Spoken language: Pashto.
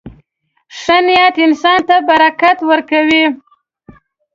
• ښه نیت انسان ته برکت ورکوي.